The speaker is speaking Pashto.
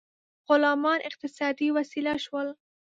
غلامان اقتصادي وسیله شول.